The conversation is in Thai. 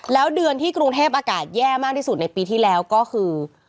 แล้วเดือนที่กรุงเทพอากาศแย่มากที่สุดในปีที่แล้วก็คือ